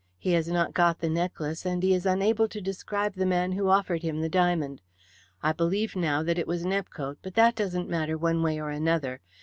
He has not got the necklace, and he is unable to describe the man who offered him the diamond. I believe now that it was Nepcote, but that doesn't matter, one way or another.